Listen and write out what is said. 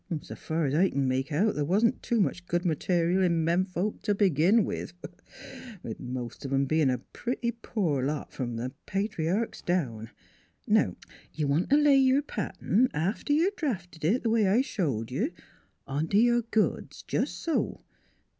'S fur's I c'n make out, th' wa'n't any too much good material in men folks t' begin with most of 'em bein' a pertty poor lot, f'om th' patriarchs, down. ... Now you want t' lay your pattern after you've drafted it, the way I showed you ont' your goods, jes' so.